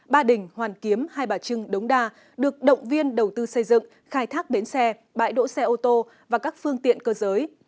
ba đình hoàn kiếm hai bà trưng đống đa được động viên đầu tư xây dựng khai thác bến xe bãi đỗ xe ô tô và các phương tiện cơ giới